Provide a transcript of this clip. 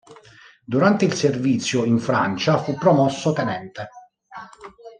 Durante il servizio in Francia fu promosso tenente.